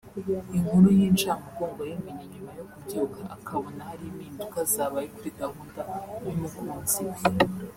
Inkuru y’incamugongo yayimenye nyuma yo kubyuka akabona hari impinduka zabaye kuri gahunda y’umukunzi we